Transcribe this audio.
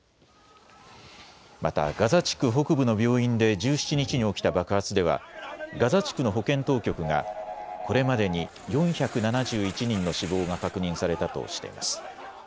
またガザ地区北部の病院で１７日に起きた爆発ではガザ地区の保健当局がこれまでに４７１人の死亡が確認されたとしています。